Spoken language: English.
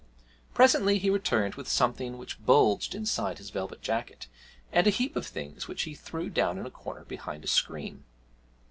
Presently he returned with something which bulged inside his velvet jacket, and a heap of things which he threw down in a corner behind a screen.